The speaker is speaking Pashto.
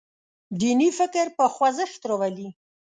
دیني فکر په خوځښت راولي.